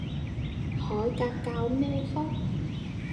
海格教咩科？